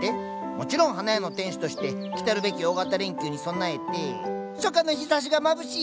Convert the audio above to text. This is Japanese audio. もちろん花屋の店主として来たるべき大型連休に備えて初夏の日ざしがまぶしいねぇ。